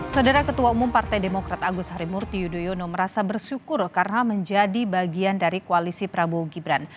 saudara ketua umum partai demokrat agus harimurti yudhoyono merasa bersyukur karena menjadi bagian dari koalisi prabowo gibran